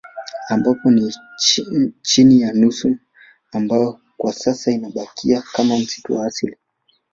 Ambapo ni chini ya nusu ambayo kwa sasa inabakia kama misitu ya asili